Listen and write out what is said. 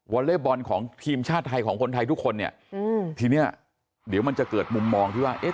อเล่บอลของทีมชาติไทยของคนไทยทุกคนเนี่ยอืมทีเนี้ยเดี๋ยวมันจะเกิดมุมมองที่ว่าเอ๊ะ